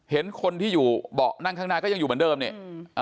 เห็นคนที่อยู่เบาะนั่งข้างหน้าก็ยังอยู่เหมือนเดิมเนี่ย